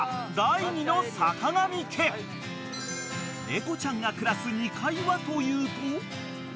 ［猫ちゃんが暮らす２階はというと］